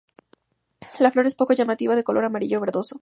La flor es poco llamativa de color amarillo verdoso.